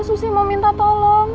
susi mau minta tolong